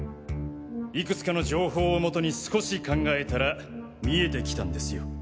いくつかの情報をもとに少し考えたら見えてきたんですよ。